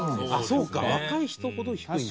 そうか若い人ほど低いんだ。